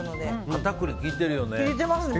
片栗、効いてるよね。